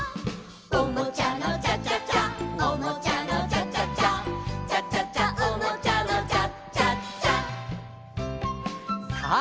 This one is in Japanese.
「おもちゃのチャチャチャおもちゃのチャチャチャ」「チャチャチャおもちゃのチャチャチャ」さあ